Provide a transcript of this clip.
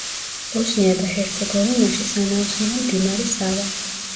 ბოსნია და ჰერცეგოვინაში სანაოსნოა მდინარე სავა.